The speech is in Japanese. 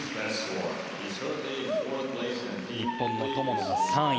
日本の友野は３位。